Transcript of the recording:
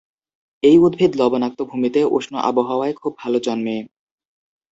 এই উদ্ভিদ লবণাক্ত ভূমিতে, উষ্ণ আবহাওয়ায় খুব ভাল জন্মে।